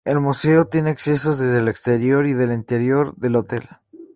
El museo tiene accesos desde el exterior y del interior del hotel.